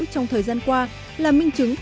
trong thời gian qua là minh chứng